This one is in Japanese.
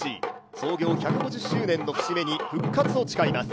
創業１５０周年の節目に復活を誓います。